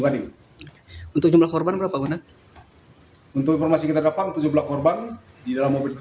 sebuah mobil yang tertimpa oleh pohon di jalan lintas